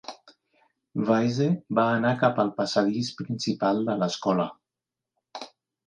Weise va anar cap al passadís principal de l'escola.